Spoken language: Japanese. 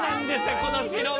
この白身！